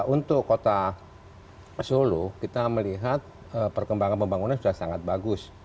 untuk kota solo kita melihat perkembangan pembangunan sudah sangat bagus